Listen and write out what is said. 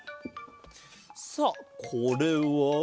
さあこれは。